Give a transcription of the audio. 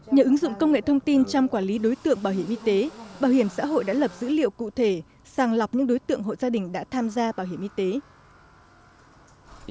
nhờ ứng dụng công nghệ thông tin trong quản lý đối tượng bảo hiểm y tế bảo hiểm xã hội đã lập dữ liệu cụ thể sàng lọc những đối tượng hội gia đình đã tham gia bảo hiểm y tế